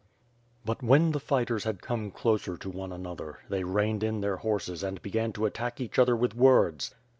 But when the fighters had come closer to one another, they reined in their horses and began to attack each other with words.